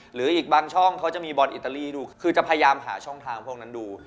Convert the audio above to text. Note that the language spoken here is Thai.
หรืออีกบางช่องเขาจะมีบอลอิตาลีดูคือจะพยายามหาช่องทางพวกนั้นดู